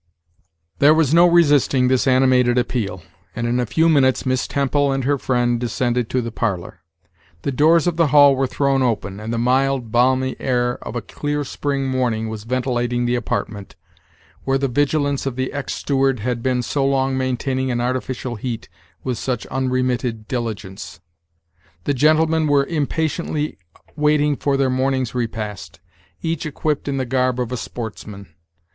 There was no resisting this animated appeal, and in a few minutes Miss Temple and her friend descended to the parlor. The doors of the hall were thrown open, and the mild, balmy air of a clear spring morning was ventilating the apartment, where the vigilance of the ex steward had been so long maintaining an artificial heat with such unremitted diligence. The gentlemen were impatiently waiting for their morning's repast, each equipped in the garb of a sportsman.